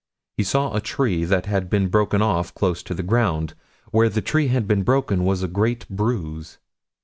He saw a tree that had been broken off close to the ground. Where the tree had been broken was a great bruise.